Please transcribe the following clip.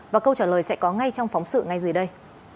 và câu trả lời sẽ có ngay trong phóng sự ngay dưới đây